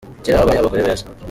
Kera habayeho abagore beza.